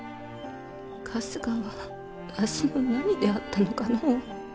春日はわしの何であったのかの。